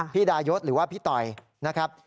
ดายศหรือว่าพี่ต่อยนะครับ